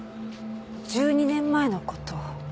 １２年前の事。